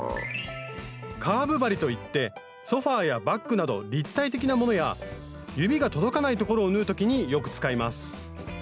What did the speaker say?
カーブ針といってソファーやバッグなど立体的なものや指が届かない所を縫う時によく使います